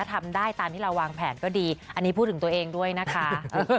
ทำได้ตามที่เราวางแผนก็ดีอันนี้พูดถึงตัวเองด้วยนะคะ